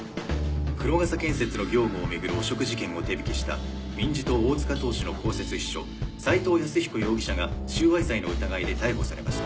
黒傘建設の業務を巡る汚職事件を手引きした民事党大塚党首の公設秘書斉藤靖彦容疑者が収賄罪の疑いで逮捕されました